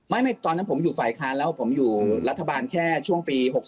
ไม่ตอนนั้นผมอยู่ฝ่ายค้านแล้วผมอยู่รัฐบาลแค่ช่วงปี๖๖